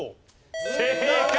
正解！